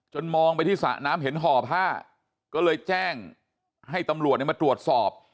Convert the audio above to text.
มองไปที่สระน้ำเห็นห่อผ้าก็เลยแจ้งให้ตำรวจมาตรวจสอบ